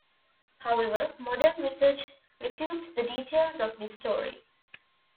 However, modern research refutes the details of this story.